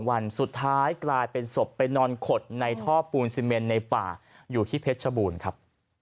วันสุดท้ายกลายเป็นศพไปนอนขดในท่อปูนซีเมนในป่าอยู่ที่เพชรชบูรณ์ครับ